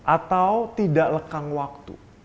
atau tidak lekang waktu